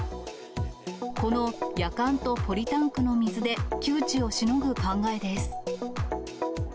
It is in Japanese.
このやかんとポリタンクの水で、窮地をしのぐ考えです。